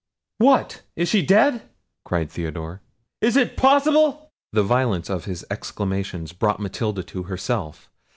"What, is she dead?" cried Theodore; "is it possible!" The violence of his exclamations brought Matilda to herself.